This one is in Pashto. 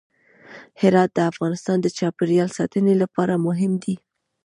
هرات د افغانستان د چاپیریال ساتنې لپاره مهم دی.